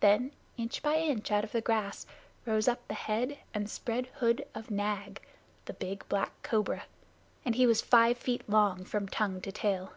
Then inch by inch out of the grass rose up the head and spread hood of Nag, the big black cobra, and he was five feet long from tongue to tail.